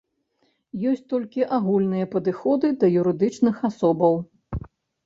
Ёсць толькі агульныя падыходы да юрыдычных асобаў.